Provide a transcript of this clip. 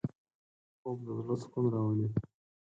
خوب د زړه سکون راولي